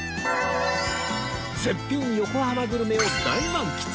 絶品横浜グルメを大満喫